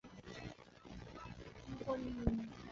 现在参加西班牙足球甲级联赛。